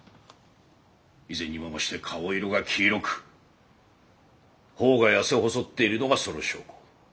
以前にも増して顔色が黄色く頬が痩せ細っているのがその証拠。